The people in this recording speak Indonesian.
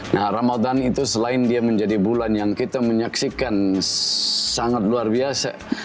nah ramadan itu selain dia menjadi bulan yang kita menyaksikan sangat luar biasa